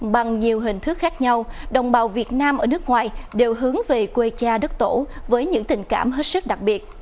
bằng nhiều hình thức khác nhau đồng bào việt nam ở nước ngoài đều hướng về quê cha đất tổ với những tình cảm hết sức đặc biệt